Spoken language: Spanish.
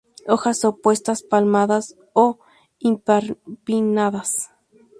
Hojas opuestas, palmadas o imparipinnadas.